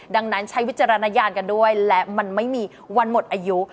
ดังนั้นใช้วิจารณญาณกันด้วยและมันไม่มีวันหมดอายุ